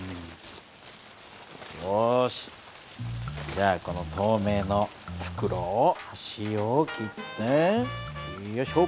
よしじゃあこの透明の袋をはしを切ってよいしょ。